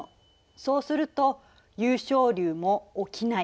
そうすると湧昇流も起きない。